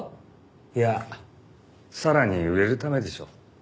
いやさらに売れるためでしょう。